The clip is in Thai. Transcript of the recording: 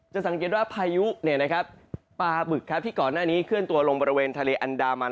จะสังเกตว่าพายุเนี่ยนะครับปลาบึกครับที่ก่อนหน้านี้เคลื่อนตัวลงบริเวณทะเลอันดามัน